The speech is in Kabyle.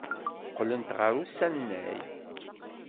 Qqlent ɣer usanay.